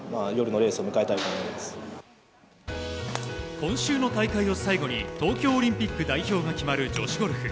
今週の大会を最後に東京オリンピック代表が決まる女子ゴルフ。